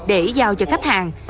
để giao cho khách hàng